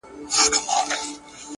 ځي له وطنه خو په هر قدم و شاته ګوري-